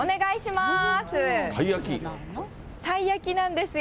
たいやきなんですよ。